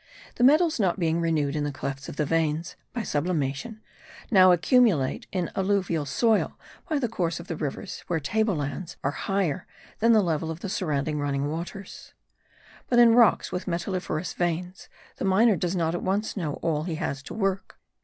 The metals not being renewed in the clefts of the veins (by sublimation) now accumulate in alluvial soil by the course of the rivers where the table lands are higher than the level of the surrounding running waters. But in rocks with metalliferous veins the miner does not at once know all he has to work.